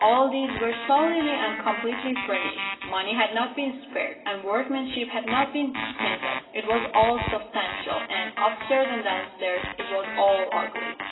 All these were solidly and completely furnished. Money had not been spared, and workmanship had not been stinted. It was all substantial and, up stairs and down stairs, it was all ugly.